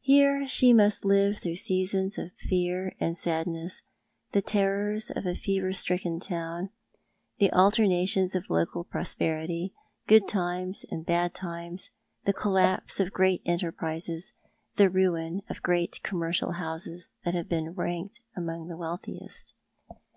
Here she must live through seasons of fear and sadness, the terrors of a fever stricken town, tho alternations of local prosperity, good times, and bad times, tho collapse of great enterprises, the ruin of great commercial houses that have been ranked among the wealthiest.